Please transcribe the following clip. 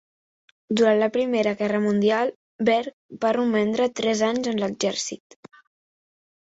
Durant la Primera Guerra Mundial, Berg va romandre tres anys en l'exèrcit.